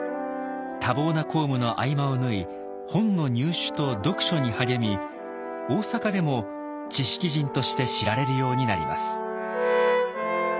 多忙な公務の合間を縫い本の入手と読書に励み大坂でも知識人として知られるようになります。